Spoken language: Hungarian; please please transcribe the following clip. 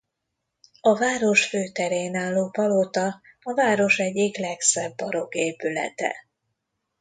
A város főterén álló palota a város egyik legszebb barokk épülete.